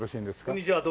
こんにちは。